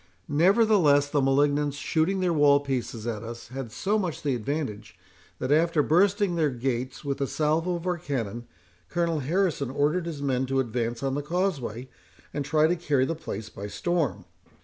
Nevertheless, the malignants shooting their wall pieces at us, had so much the advantage, that, after bursting their gates with a salvo of our cannon, Colonel Harrison ordered his men to advance on the causeway, and try to carry the place by storm.